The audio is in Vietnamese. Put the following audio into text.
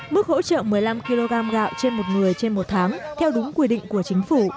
mức hỗ trợ một mươi năm kg gạo trên một người trên một tháng theo đúng quy định của chính phủ